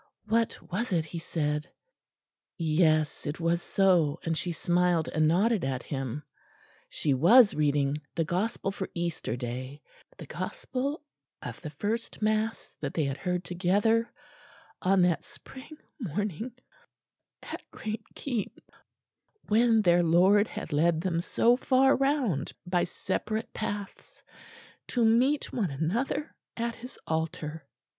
What was it he said?... Yes, it was so, and she smiled and nodded at him: she was reading the Gospel for Easter Day, the Gospel of the first mass that they had heard together on that spring morning at Great Keynes, when their Lord had led them so far round by separate paths to meet one another at His altar.